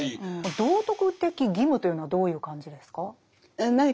「道徳的義務」というのはどういう感じですか？